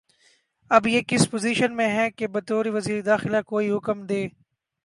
اب یہ کس پوزیشن میں ہیں کہ بطور وزیر داخلہ کوئی حکم دیں